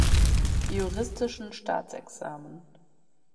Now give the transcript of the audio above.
Juristischen Staatsexamen.